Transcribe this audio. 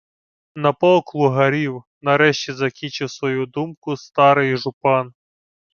— На полк лугарів, — нарешті закінчив свою думку старий жупан.